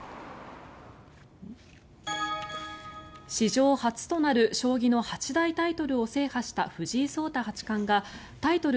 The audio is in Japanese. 史上初となる将棋の八大タイトルを制覇した藤井聡太八冠がタイトル